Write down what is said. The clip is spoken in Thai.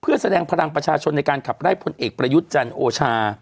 เพื่อแสดงพลังประชาชนในการขับไล่พลเอกประยุทธ์จันทร์โอชา